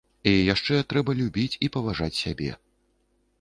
І яшчэ трэба любіць і паважаць сябе.